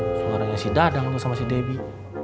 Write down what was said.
suaranya si dadang itu sama si debbie